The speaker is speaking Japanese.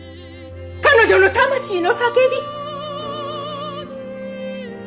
彼女の魂の叫び！